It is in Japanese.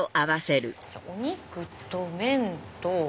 お肉と麺と。